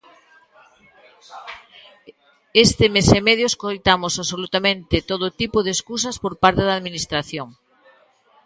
Este mes e medio escoitamos absolutamente todo tipo de escusas por parte da Administración.